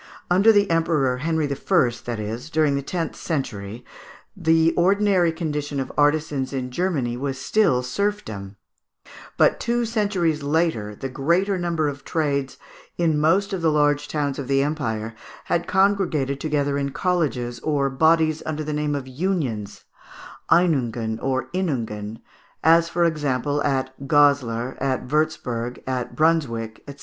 Under the Emperor Henry I., that is, during the tenth century, the ordinary condition of artisans in Germany was still serfdom; but two centuries later the greater number of trades in most of the large towns of the empire had congregated together in colleges or bodies under the name of unions (Einnungen or Innungen) (Fig. 202), as, for example, at Gozlar, at Würzburg, at Brunswick, &c.